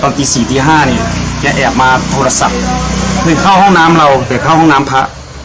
ตีสี่ตีห้านี่แกแอบมาโทรศัพท์คือเข้าห้องน้ำเราแต่เข้าห้องน้ำพระ